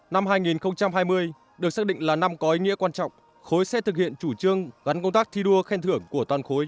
năm hai nghìn hai mươi được xác định là năm có ý nghĩa quan trọng khối sẽ thực hiện chủ trương gắn công tác thi đua khen thưởng của toàn khối